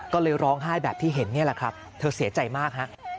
ก็เลยร้องไห้แบบที่เห็นนี่แหละครับเธอเสียใจมากฮะ